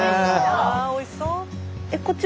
あおいしそう。